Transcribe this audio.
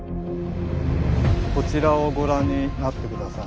こちらをご覧になって下さい。